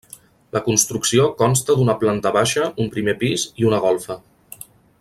La construcció consta d'una planta baixa, un primer pis i una golfa.